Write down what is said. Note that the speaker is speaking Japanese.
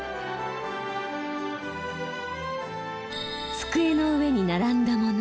机の上に並んだ物。